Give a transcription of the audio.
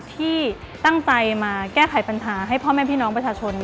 ที่ตั้งใจมาแก้ไขปัญหาให้พ่อแม่พี่น้องประชาชน